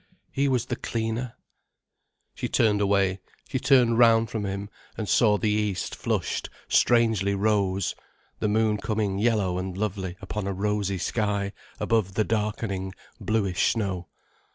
He was the cleaner. She turned away, she turned round from him, and saw the east flushed strangely rose, the moon coming yellow and lovely upon a rosy sky, above the darkening, bluish snow.